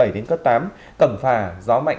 đến cấp tám cẩm phà gió mạnh